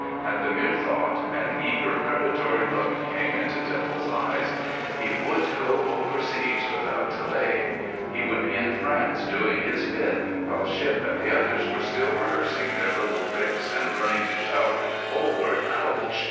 At the mere thought, an eager, predatory look came into Dimples's eyes. He would go overseas without delay; he would be in France doing his bit while Shipp and the others were still rehearsing their little tricks and learning to shout, "Forward, ouch!"